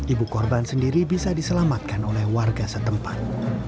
ibu korban sendiri bisa diselamatkan oleh warga setempat